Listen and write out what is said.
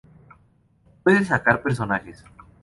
Puedes sacar personajes.